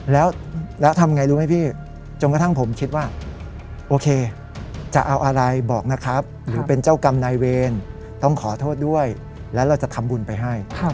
แล้วทำไงรู้ไหมพี่จนกระทั่งผมคิดว่าโอเคจะเอาอะไรบอกนะครับหรือเป็นเจ้ากรรมนายเวรต้องขอโทษด้วยแล้วเราจะทำบุญไปให้